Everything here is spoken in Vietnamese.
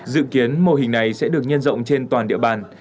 dự kiến mô hình này sẽ được nhân rộng trên toàn địa bàn